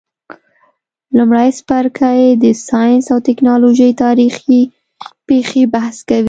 لمړی څپرکی د ساینس او تکنالوژۍ تاریخي پیښي بحث کوي.